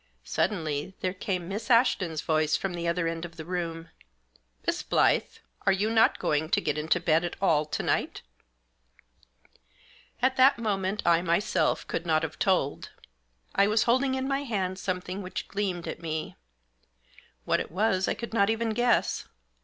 Suddenly there came Miss Ashton's voice from the other end of the room. " Miss Blyth, are you not going to get into bed at all to night?" At that moment I myself could not have told. I was holding in my hand something which gleamed at me. What it was I could not even guess.